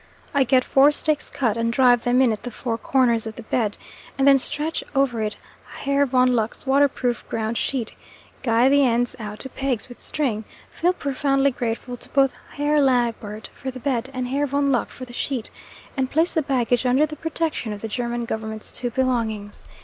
I get four stakes cut, and drive them in at the four corners of the bed, and then stretch over it Herr von Lucke's waterproof ground sheet, guy the ends out to pegs with string, feel profoundly grateful to both Herr Liebert for the bed and Herr von Lucke for the sheet, and place the baggage under the protection of the German Government's two belongings.